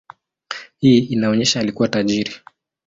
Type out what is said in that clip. Hii inaonyesha alikuwa tajiri.